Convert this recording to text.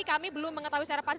kami belum mengetahui secara pasti